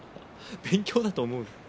勉強だと思えと？